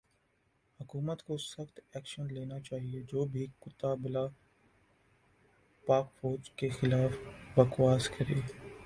حکومت کو سخت ایکشن لینا چایئے جو بھی کتا بلا پاک فوج کے خلاف بکواس کرے